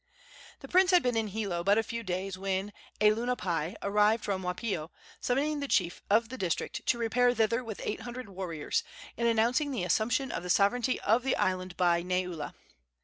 The prince had been in Hilo but a few days when a lunapai arrived from Waipio, summoning the chief of the district to repair thither with eight hundred warriors, and announcing the assumption of the sovereignty of the island by Neula.